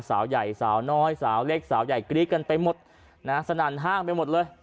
สาวใหญ่สาวน้อยสาวเล็กสาวใหญ่กรี๊ดกันไปหมดนะฮะสนั่นห้างไปหมดเลย